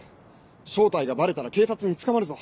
正体がバレたら警察に捕まるぞ。